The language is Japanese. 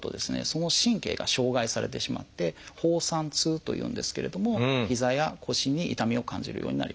その神経が傷害されてしまって「放散痛」というんですけれどもひざや腰に痛みを感じるようになります。